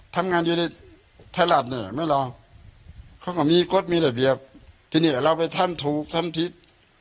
ทำงานอยู่ในไทยรัฐเนี่ยไม่รอเขาก็มีกฎมีระเบียบทีนี้เราไปทำถูกทำทิศ